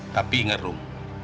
tapi ingat rum